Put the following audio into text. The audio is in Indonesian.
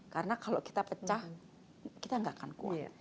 karena kalau kita pecah kita enggak akan kuat